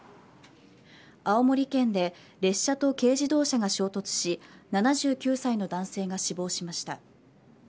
青森県で列車と軽自動車が衝突し７９歳の男性が死亡しました。